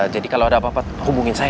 jadi kalau ada apa apa hubungin saya ya